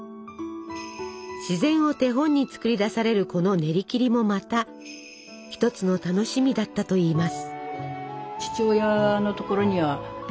自然を手本に作り出されるこのねりきりもまた一つの楽しみだったといいます。